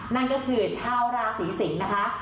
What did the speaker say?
นั่นก็คือชาวราศีสิงศ์นะคะ